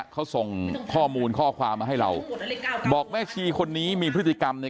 เขาส่งข้อมูลข้อความมาให้เราบอกแม่ชีคนนี้มีพฤติกรรมใน